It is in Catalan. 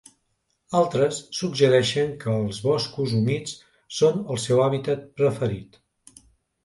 Altres suggereixen que els boscos humits són el seu hàbitat preferit.